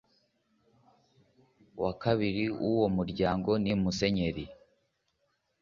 wa kabiri w uwo Muryango ni Musenyeri